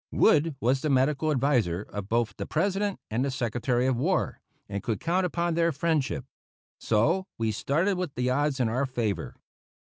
Wood was the medical adviser of both the President and the Secretary of War, and could count upon their friendship. So we started with the odds in our favor.